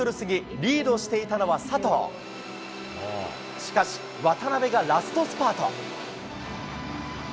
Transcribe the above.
しかし、渡辺がラストスパート。